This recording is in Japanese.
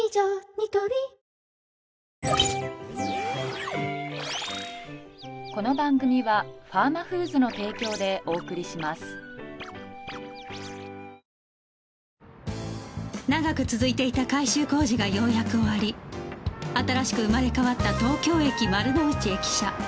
ニトリ長く続いていた改修工事がようやく終わり新しく生まれ変わった東京駅丸の内駅舎